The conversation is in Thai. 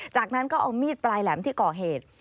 จากนั้นก็เอามีดปลายแหลมที่ก่อเหตุ